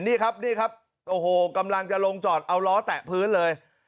นี่ครับนี่ครับโอ้โหกำลังจะลงจอดเอาล้อแตะพื้นเลย